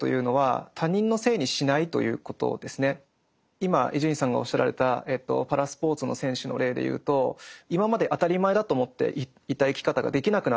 ここで言う今伊集院さんがおっしゃられたパラスポーツの選手の例でいうと今まで当たり前だと思っていた生き方ができなくなってしまった。